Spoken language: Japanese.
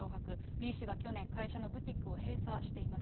Ｂ氏は去年、会社のブティックを閉鎖しています。